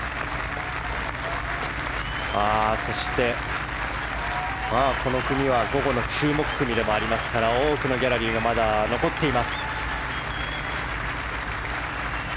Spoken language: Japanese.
そして、この組は午後の注目組でもありますから多くのギャラリーがまだ残っています。